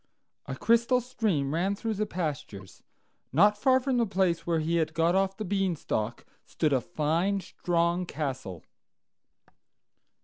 A crystal stream ran through the pastures; not far from the place where he had got off the Beanstalk stood a fine, strong castle.